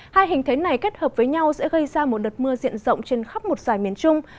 hai hình thế này kết hợp với nhau sẽ gây ra một đợt mưa diện rộng trên khắp một dài miền trung